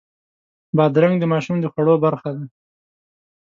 بادرنګ د ماشوم د خوړو برخه ده.